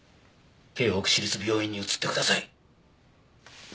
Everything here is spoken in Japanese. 京北市立病院に移ってください。